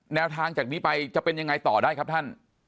แนวทางจากนี้ไปจะเป็นยังไงต่อได้ครับท่าน